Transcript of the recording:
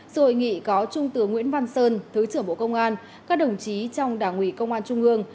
sự hội nghị có trung tướng nguyễn văn sơn thứ trưởng bộ công an các đồng chí trong đảng ủy công an trung ương